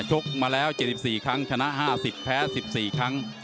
กมาแล้ว๗๔ครั้งชนะ๕๐แพ้๑๔ครั้ง